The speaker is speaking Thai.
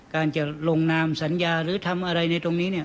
การจะลงนามสัญญาหรือทำอะไรในตรงนี้เนี่ย